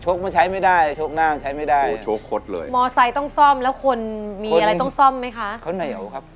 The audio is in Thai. โชคมันใช้ไม่ได้โชคหน้ามันใช้ไม่ได้โชคคดเลย